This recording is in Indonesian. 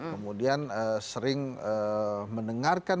kemudian sering mendengarkan